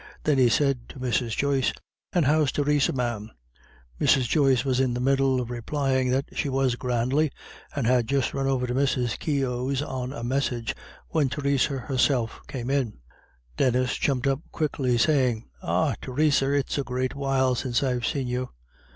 Then he said to Mrs. Joyce: "And how's Theresa, ma'am?" Mrs. Joyce was in the middle of replying that she was grandly, and had just run over to Mrs. Keogh on a message, when Theresa herself came in. Denis jumped up quickly, saying: "Ah, Theresa, it's a great while since I've seen you."